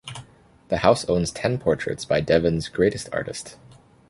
The house owns ten portraits by Devon's greatest artist.